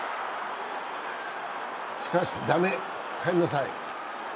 しかし、駄目、帰りなさい。